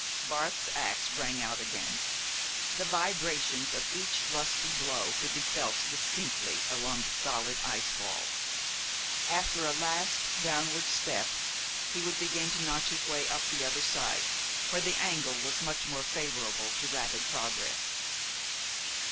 Barth's ax rang out again. The vibrations of each lusty blow could be felt distinctly along the solid ice wall. After a last downward step he would begin to notch his way up the other side, where the angle was much more favorable to rapid progress.